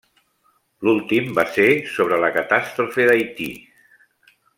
L'últim va ser sobre la catàstrofe d'Haití.